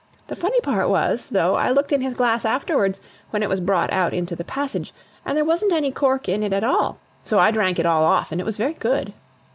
The funny part was, though, I looked in his glass afterwards, when it was brought out into the passage, and there wasn't any cork in it at all! So I drank it all off, and it was very good!"